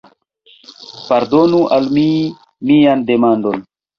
Pardonu al mi mian demandon!